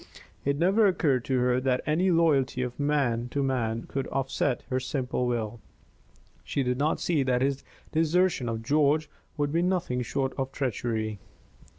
It never occurred to her that any loyalty of man to man could offset her simple will. She did not see that his desertion of George would be nothing short of treachery.